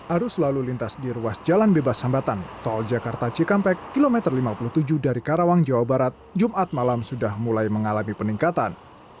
arus lalu lintas di ruas jalan bebas hambatan tol jakarta cikampek kilometer lima puluh tujuh dari karawang jawa barat jumat malam sudah mulai mengalami peningkatan